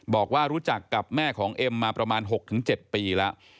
บอกว่ารู้จักกับแม่ของเอ็มมาประมาณ๖๗ปีแล้ว